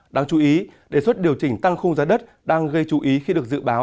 đáng chú ý đề xuất điều chỉnh tăng khung giá đất đang gây chú ý khi được dự báo